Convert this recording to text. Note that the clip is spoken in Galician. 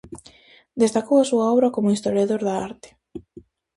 Destacou a súa obra como historiador da arte.